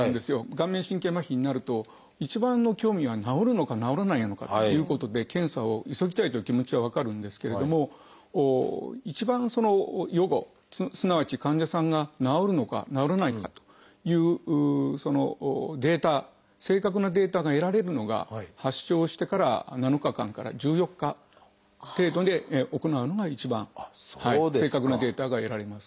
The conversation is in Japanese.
顔面神経麻痺になると一番の興味は治るのか治らないのかということで検査を急ぎたいという気持ちは分かるんですけれども一番予後すなわち患者さんが治るのか治らないのかというデータ正確なデータが得られるのが発症してから７日間から１４日程度で行うのが一番正確なデータが得られます。